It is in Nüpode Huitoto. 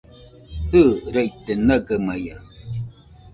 Jɨ, raite nagamaiaɨ